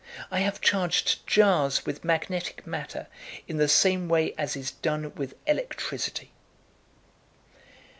I have charged jars with magnetic matter in the same way as is done with electricity."